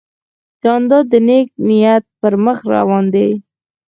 جانداد د نیک نیت پر مخ روان دی.